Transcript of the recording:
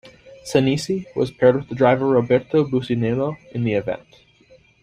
Sanesi was paired with driver Roberto Bussinello in the event.